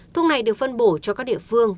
thuốc này được phân bổ cho các địa phương